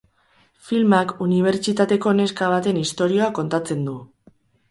Filmak unibertsitateko neska baten istorioa kontatzen du.